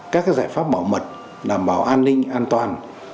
các giải pháp bảo mật đảm bảo an ninh an toàn